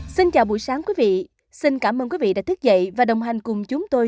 xin chào buổi sáng quý vị xin cảm ơn quý vị đã thức dậy và đồng hành cùng chúng tôi